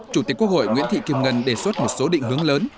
chủ tịch quốc hội nguyễn thị kim ngân đề xuất một số định hướng lớn